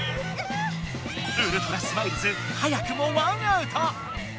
ウルトラスマイルズ早くも１アウト。